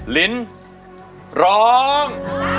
ลิ้นร้อง